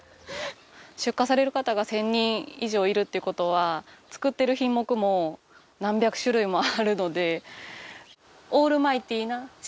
出荷される方が１０００人以上いるっていうことは作っている品目も何百種類もあるので。